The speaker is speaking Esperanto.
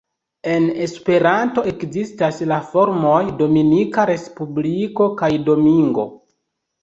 En Esperanto ekzistas la formoj "Dominika Respubliko" kaj "Domingo".